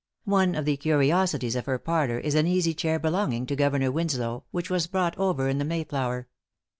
One of the curiosities of her parlor is an easy chair belonging to Governor Winslow, which was brought over in the Mayflower.